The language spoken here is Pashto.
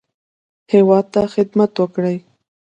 هیواد ته خدمت وکړي.